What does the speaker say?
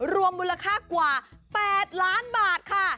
รวมมูลค่ากว่า๘ล้านบาทค่ะ